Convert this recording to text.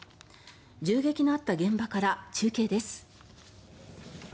銃撃のあった現場から中継です。